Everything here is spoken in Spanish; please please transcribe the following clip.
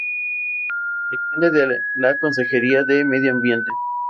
Depende de la Consejería de Medio Ambiente.